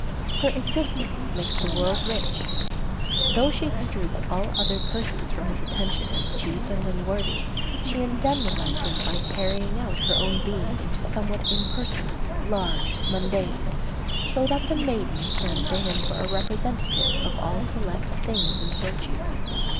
Her existence makes the world rich. Though she extrudes all other persons from his attention as cheap and unworthy, she indemnifies him by carrying out her own being into somewhat impersonal, large, mundane, so that the maiden stands to him for a representative of all select things and virtues.